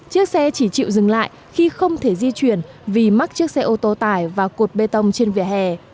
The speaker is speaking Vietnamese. chiếc xe chỉ chịu dừng lại khi không thể di chuyển vì mắc chiếc xe ô tô tải và cột bê tông trên vỉa hè